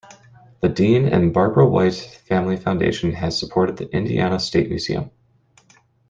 The Dean and Barbara White Family Foundation has supported the Indiana State Museum.